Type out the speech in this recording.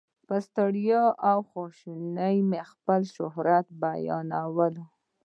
په ستړیا او خواشینۍ مې خپل شهرت بیانول.